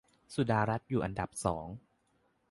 สุดารัตน์อยู่อันดับสอง